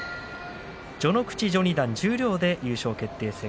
序ノ口、序二段、十両で優勝決定戦。